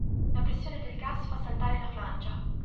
La pressione del gas fa saltare la flangia.